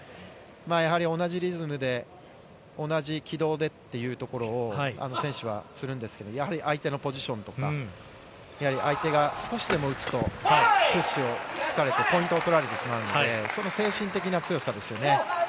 同じリズムで同じ軌道でというところを選手はするんですけど、相手のポジションとか、相手が少しでも打つとプッシュを突かれて、ポイントを取られてしまうので、精神的な強さですね。